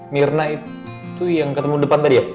mirna itu yang ketemu depan tadi ya